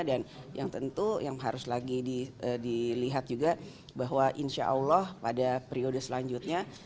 dan yang tentu yang harus lagi dilihat juga bahwa insya allah pada periode selanjutnya